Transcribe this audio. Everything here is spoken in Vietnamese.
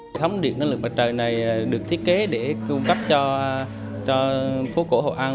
hệ thống điện năng lượng mặt trời này được thiết kế để cung cấp cho phố cổ hội an